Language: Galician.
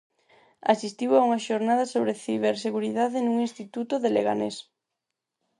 Asistiu a unhas xornadas sobre ciberseguridade nun instituto de Leganés.